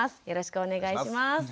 よろしくお願いします。